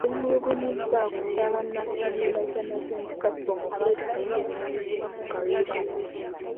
Yeemulugunyizza ku kya bannakibiina kya National Unity Platform okuleeta katemba mu kalulu kano .